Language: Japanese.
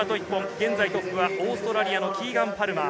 現在トップはオーストラリアのキーガン・パルマー。